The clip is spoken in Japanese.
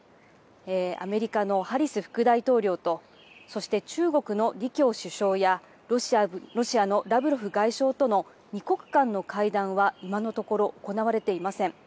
アメリカのハリス副大統領と、そして中国の李強首相や、ロシアのラブロフ外相との２国間の会談は今のところ行われていません。